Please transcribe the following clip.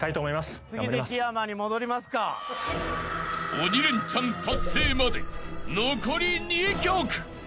［鬼レンチャン達成まで残り２曲］